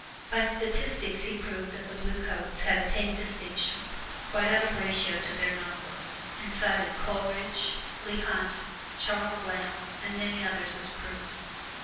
By statistics he proved that the Blue Coats had attained distinction quite out of ratio to their number, and cited Coleridge, Leigh Hunt, Charles Lamb and many others as proof.